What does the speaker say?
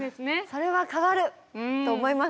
それは変わる！と思います。